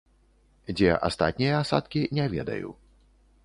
Дзе астатнія асадкі, не ведаю.